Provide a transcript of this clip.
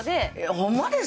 ホンマですか？